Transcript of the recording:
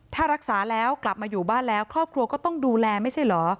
ถ้ารักษาแล้วกลับมาอยู่บ้านแล้วครอบครัวก็ต้องดูแลไม่ใช่เหรอ